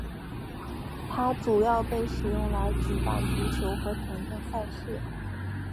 它主要被使用来举办足球和田径赛事。